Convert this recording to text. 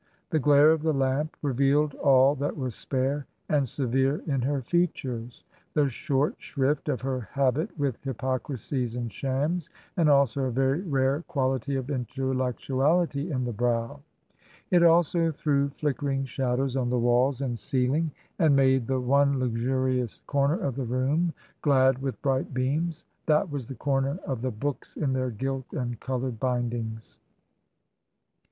The glare of the lamp revealed all that was spare and severe in her features — the short shrift of her habit with hypocrisies and shams — and also a very rare quality of intellectuality in the brow. It also threw flickering shadows on the walls and ceiling and made the one luxurious corner of the room glad with bright beams — that was the corner of the books in their gilt and coloured bindings.